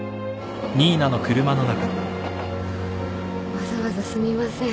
わざわざすみません。